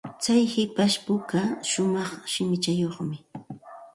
Tsay hipashpuka shumaq shimichayuqmi.